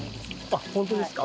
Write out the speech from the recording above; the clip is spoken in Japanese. あっ本当ですか？